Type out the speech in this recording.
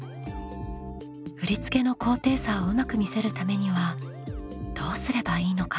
振り付けの高低差をうまく見せるためにはどうすればいいのか？